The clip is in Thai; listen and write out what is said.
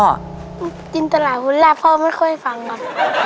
กินตลาดหุ้นลาบพ่อไม่ค่อยฟังครับ